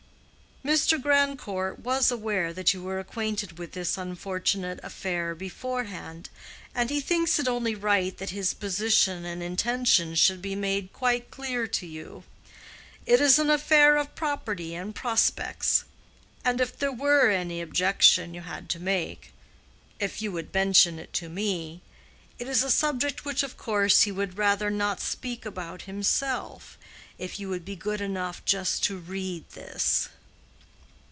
"Mr. Grandcourt was aware that you were acquainted with this unfortunate affair beforehand, and he thinks it only right that his position and intentions should be made quite clear to you. It is an affair of property and prospects; and if there were any objection you had to make, if you would mention it to me—it is a subject which of course he would rather not speak about himself—if you will be good enough just to read this."